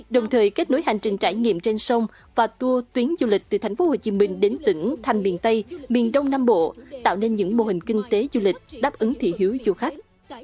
đồng thời kết nối hành trình trải nghiệm trên sông và tour tuyến du lịch từ thành phố hồ chí minh đến tỉnh thành miền tây miền đông nam bộ tạo nên những mô hình kinh tế du lịch đáp ứng thị hiếu du khách